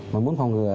mà muốn phòng ngừa